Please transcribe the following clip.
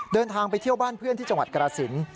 เดินทางไปเที่ยวบ้านเพื่อนที่จังหวัดกรสิน